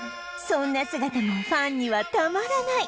そんな姿もファンにはたまらない！